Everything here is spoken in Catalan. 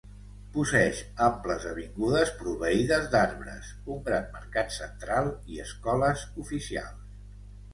Posseeix amples avingudes proveïdes d'arbres, un gran mercat central, i escoles oficials.